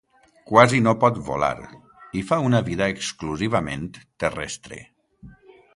Quasi no pot volar i fa una vida exclusivament terrestre.